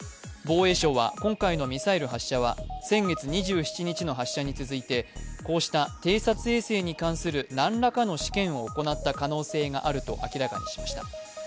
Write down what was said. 防衛省は、今回のミサイル発射は先月２７日の発射に続いて、こうした偵察衛星に関する何らかの試験を行った可能性があると明らかにしました。